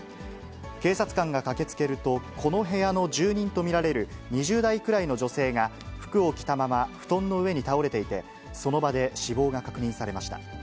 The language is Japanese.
警察官が駆けつけると、この部屋の住人と見られる２０代くらいの女性が、服を着たまま布団の上に倒れていて、その場で死亡が確認されました。